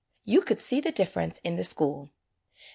You could see the difference in the school.